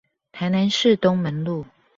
臺南市東門路